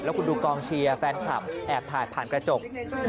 คุณดูกองเชียร์แฟนคลับแอบถ่ายผ่านกระจก